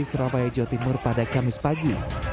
surabaya jawa timur pada kamis pagi